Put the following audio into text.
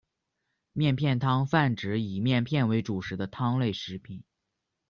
面片汤泛指以面片为主食的汤类食品。